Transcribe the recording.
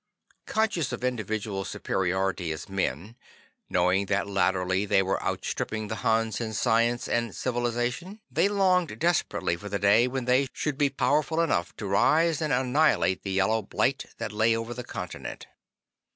Conscious of individual superiority as men, knowing that latterly they were outstripping the Hans in science and civilization, they longed desperately for the day when they should be powerful enough to rise and annihilate the Yellow Blight that lay over the continent.